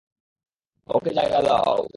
ওকে জায়গা দাও।